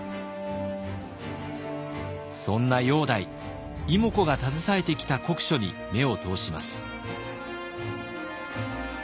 そんな煬帝妹子が携えてきた国書に目を通します。